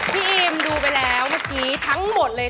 พี่อิมดูไปแล้วเมื่อกี้ทั้งหมดเลย